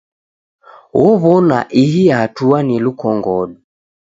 Ow'ona ihi hatua ni lukongodo.